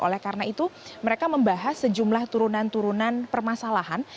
oleh karena itu mereka membahas sejumlah turunan turunan permasalahan